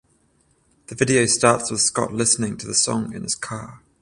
The video starts with Scott listening to the song in his car.